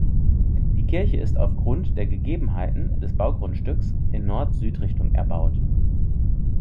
Die Kirche ist aufgrund der Gegebenheiten des Baugrundstücks in Nord-Süd-Richtung erbaut.